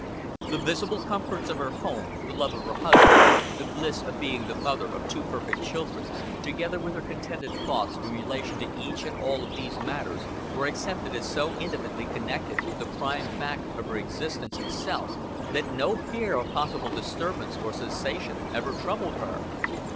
The visible comforts of her home, the love of her husband, the bliss of being the mother of two perfect children, together with her contented thoughts in relation to each and all of these matters, were accepted as so intimately connected with the prime fact of her existence itself that no fear of possible disturbance or cessation ever troubled her.